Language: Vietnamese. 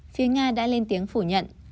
phía nga đã lên tiếng phủ nhận